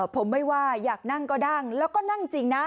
ผมไม่ว่าอยากนั่งก็ดั้งแล้วก็นั่งจริงนะ